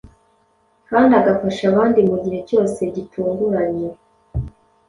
kandi agafasha abandi mu gihe cyose gitunguranye.